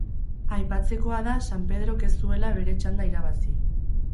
Aipatzekoa da San Pedrok ez zuela bere txanda irabazi.